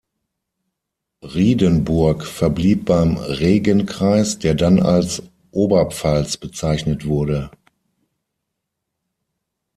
Riedenburg verblieb beim Regenkreis, der dann als Oberpfalz bezeichnet wurde.